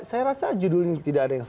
saya rasa judulnya tidak ada yang salah